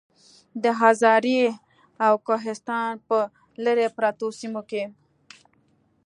د هزارې او کوهستان پۀ لرې پرتو سيمو کې